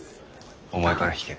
お前から引け。